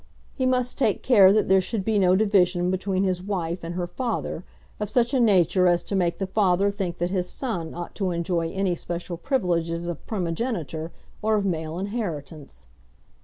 He must take care that there should be no division between his wife and her father of such a nature as to make the father think that his son ought to enjoy any special privilege of primogeniture or of male inheritance.